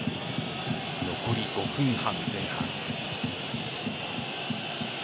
残り５分半、前半。